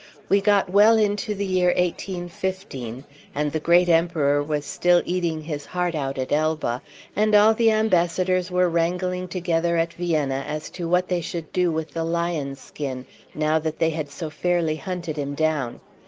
We got well into the year 1815, and the great Emperor was still eating his heart out at Elba; and all the ambassadors were wrangling together at Vienna as to what they should do with the lion's skin, now that they had so fairly hunted him down.